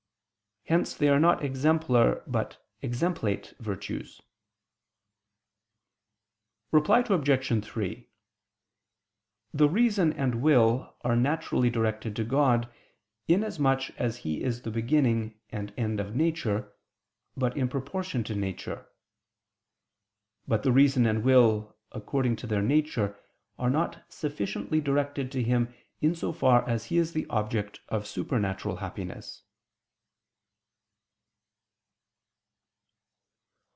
Hence they are not exemplar but exemplate virtues. Reply Obj. 3: The reason and will are naturally directed to God, inasmuch as He is the beginning and end of nature, but in proportion to nature. But the reason and will, according to their nature, are not sufficiently directed to Him in so far as He is the object of supernatural happiness.